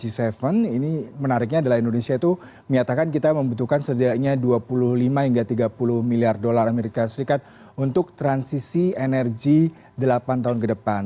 ini menariknya adalah indonesia itu menyatakan kita membutuhkan setidaknya dua puluh lima hingga tiga puluh miliar dolar amerika serikat untuk transisi energi delapan tahun ke depan